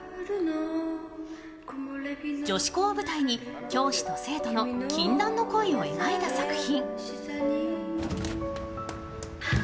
女子校を舞台に教師と生徒の禁断の恋を描いた作品。